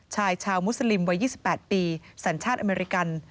ชายชาวมุสลิมวัย๒๘ปีสัญชาติอเมริกัน